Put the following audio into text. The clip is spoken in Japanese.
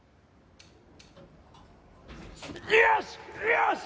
よし！